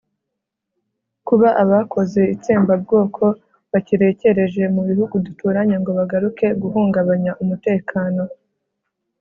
kuba abakoze itsembabwoko bakirekereje mu bihugu duturanye ngo bagaruke guhungabanya umutekano